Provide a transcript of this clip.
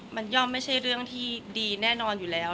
มันย่อมไม่ใช่เรื่องที่ดีแน่นอนอยู่แล้ว